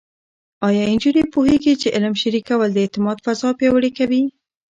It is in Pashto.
ایا نجونې پوهېږي چې علم شریکول د اعتماد فضا پیاوړې کوي؟